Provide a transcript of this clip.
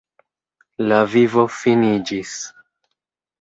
La vivo finiĝis.